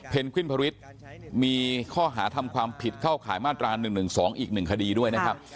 เพ็ญกินภวิตมีข้อหาทำความผิดเข้าขายมาตรา๑๑๒อีกหนึ่งคดีด้วยนะครับ